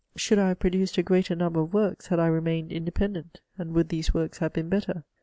Should I have produced a greater number of works had I remained inde pendent, and would these works have been better?